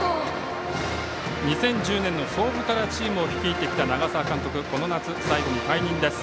２０１０年の創部からチームを率いてきた長澤監督がこの夏を最後に退任です。